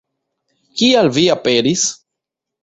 Kial vi aperis?